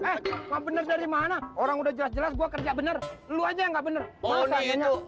bener bener dari mana orang udah jelas jelas gua kerja bener lu aja nggak bener oh itu